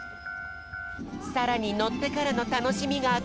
さらにのってからのたのしみがこれ。